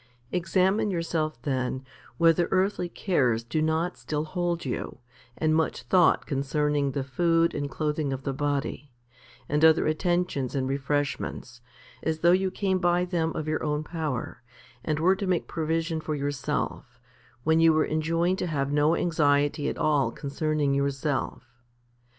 3. Examine yourself, then, whether earthly cares do not still hold you, and much thought concerning the food and clothing of the body, and other attentions and refreshments, as though you came by them of your own power, and were to make provision for yourself, when you were enjoined to have no anxiety at all concerning yourself.